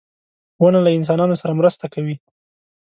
• ونه له انسانانو سره مرسته کوي.